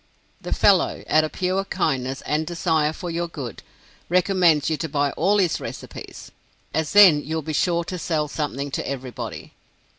The fellow, out of pure kindness and desire for your good, recommends you to buy all his recipes, as then you will be sure to sell something to everybody.